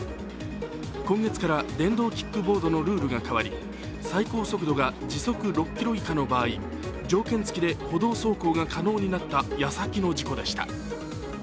今月から電動キックボードのルールが変わり最高速度が時速６キロ以下の場合条件付きで歩道走行が可能になったやさきの事故でした。